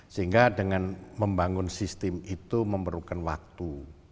sehingga dengan membangun sistem itu memerlukan waktu